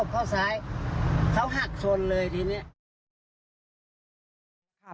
เขาหักชนเลยทีนี้